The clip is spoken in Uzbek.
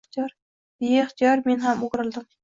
Beixtiyor men ham o`girildim